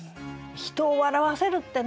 人を笑わせるってね